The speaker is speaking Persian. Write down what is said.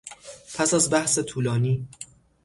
پس از بحث طولانی